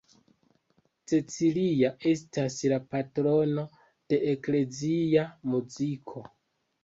Cecilia estas la patrono de eklezia muziko.